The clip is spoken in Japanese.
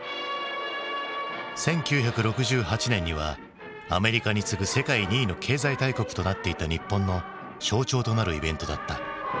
１９６８年にはアメリカに次ぐ世界２位の経済大国となっていた日本の象徴となるイベントだった。